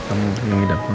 kamu yang hidup